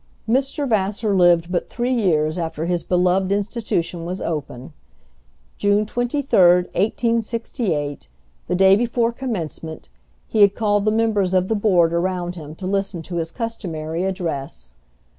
Mr. Vassar lived but three years after his beloved institution was opened. June 23, 1868, the day before commencement, he had called the members of the Board around him to listen to his customary address.